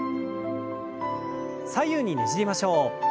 左右にねじりましょう。